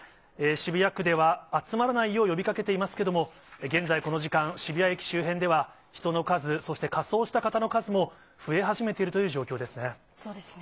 渋谷区では、集まらないよう呼びかけていますけれども、現在、この時間、渋谷駅周辺では、人の数、そして仮装した方の数も増え始めているという状況ですね。